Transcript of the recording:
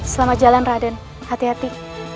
selamat jalan raden hati hati